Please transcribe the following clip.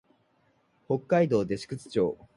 北海道弟子屈町